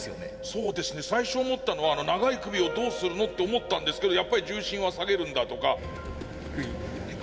そうですね最初思ったのは長い首をどうするのって思ったんですけどやっぱり重心は下げるんだとか。